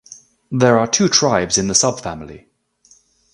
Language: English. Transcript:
There are two tribes in the subfamily.